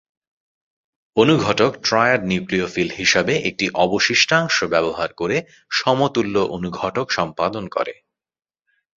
অনুঘটক triad nucleophile হিসাবে একটি অবশিষ্টাংশ ব্যবহার করে সমতুল্য অনুঘটক সম্পাদন করে।